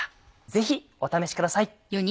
ぜひお試しください。